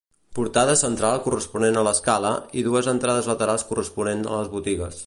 Portada central corresponent a l'escala i dues entrades laterals corresponents a les botigues.